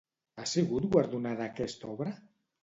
Ha sigut guardonada aquesta obra?